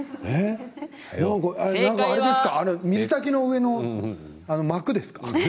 水炊きの上の膜ですか。